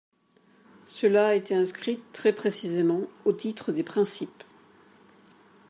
Cela a été inscrit très précisément au titre des principes.